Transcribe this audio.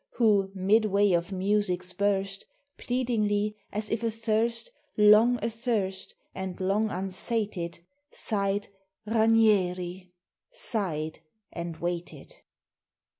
Who, midway of music's burst, Pleadingly, as if athirst, Long athirst, and long unsated, Sighed: "Ranieri!" sighed and waited.